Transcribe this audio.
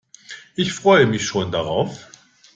Ich freue mich schon darauf.